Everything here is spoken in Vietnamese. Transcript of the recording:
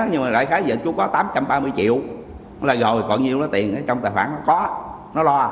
nhưng mà đại khái giờ chú có tám trăm ba mươi triệu là rồi còn nhiều nữa tiền trong tài khoản nó có nó lo